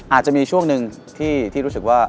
อาจจะมีช่วงหนึ่งที่รู้สึกว่า